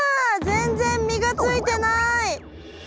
全然実がついてない。